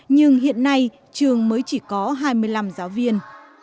nhưng hiện nay trường mới chỉ có hai mươi năm giáo viên